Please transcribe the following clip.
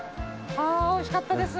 ああ美味しかったです。